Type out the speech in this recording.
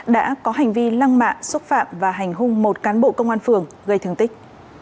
đã có hành vi lăng mạ xúc phạm và hành hung một cán bộ công an phường gây thương tích